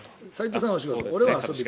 齋藤さんはお仕事